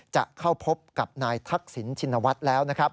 จะเข้าพบกับทักษิณชินวัฒน์